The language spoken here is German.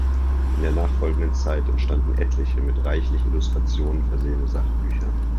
In der nachfolgenden Zeit entstanden etliche, mit reichlich Illustrationen versehene Sachbücher.